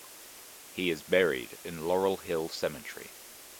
He is buried in Laurel Hill Cemetery.